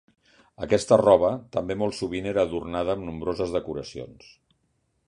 Aquesta roba també molt sovint era adornada amb nombroses decoracions.